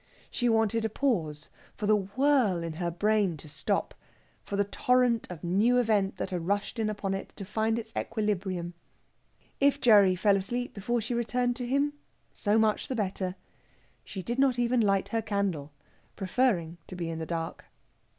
She wanted a pause for the whirl in her brain to stop, for the torrent of new event that had rushed in upon it to find its equilibrium. If Gerry fell asleep before she returned to him so much the better! She did not even light her candle, preferring to be in the dark.